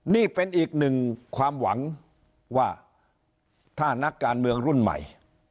นี่เป็นอีกหนึ่งความหวังว่าถ้านักการเมืองรุ่นใหม่